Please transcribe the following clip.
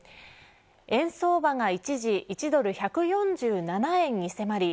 円相場が一時１ドル１４７円に迫り